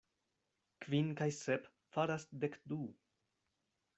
Kvin kaj sep faras dek du.